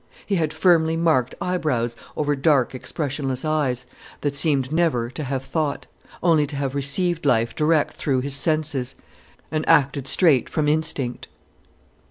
He had firmly marked eyebrows over dark, expressionless eyes, that seemed never to have thought, only to have received life direct through his senses, and acted straight from instinct.